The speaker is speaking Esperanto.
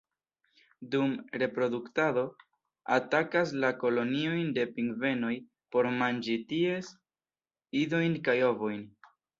Dum reproduktado atakas la koloniojn de pingvenoj por manĝi ties idojn kaj ovojn.